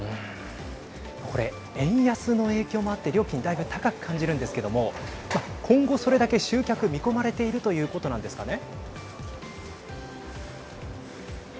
これ、円安の影響もあって料金、だいぶ高く感じるんですけども今後、それだけ集客見込まれているということなんですかね。